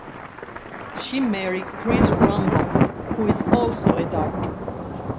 She married Chris Rumball, who is also a doctor.